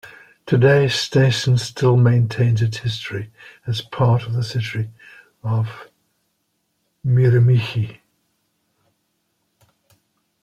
Today, Nelson still maintains its history as part of the city of Miramichi.